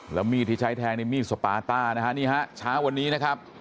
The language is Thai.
แล้วมีดที่ใช้แทงในมีดสปาต้านะฮะนี่ฮะเช้าวันนี้นะครับ